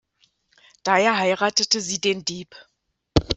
Daher heiratete sie den Dieb.